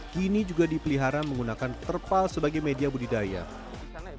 kini juga dipelihara menggunakan terpal sebagai media budi dayal